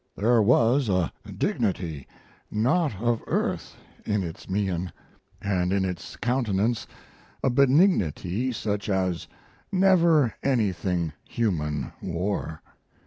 There was a dignity not of earth in its mien, and in its countenance a benignity such as never anything human wore.